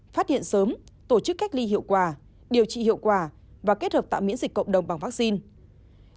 phát hiện sớm tổ chức cách ly hiệu quả điều trị hiệu quả và kết hợp tạo miễn dịch cộng đồng bằng vaccine